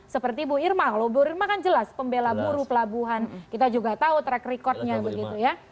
seperti bu irma loh bu irma kan jelas pembela buru pelabuhan kita juga tahu track recordnya begitu ya